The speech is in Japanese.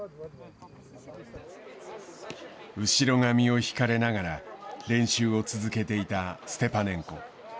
後ろ髪を引かれながら練習を続けていたステパネンコ。